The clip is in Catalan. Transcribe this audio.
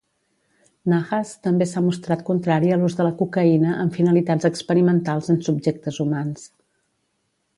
Nahas també s'ha mostrat contrari a l'ús de la cocaïna amb finalitats experimentals en subjectes humans.